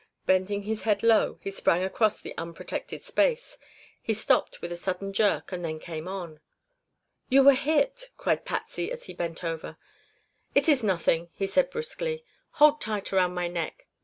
Bending his head low he sprang across the unprotected space. He stopped with a sudden jerk and then came on. "You were hit!" cried Patsy as he bent over her. "It is nothing," he answered brusquely. "Hold tight around my neck."